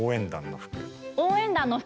応援団の服。